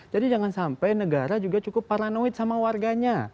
jadi jangan sampai negara juga cukup paranoid sama warganya